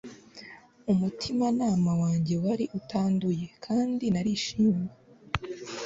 umutimanama wanjye wari utanduye, kandi narishimye